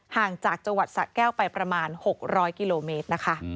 ห่างจากจังหวัดสะแก้วไปประมาณ๖๐๐กิโลเมตรนะคะ